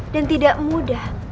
dan tidak mudah